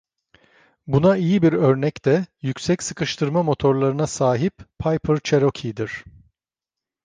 Buna iyi bir örnek de yüksek sıkıştırma motorlarına sahip Piper Cherokee'dir.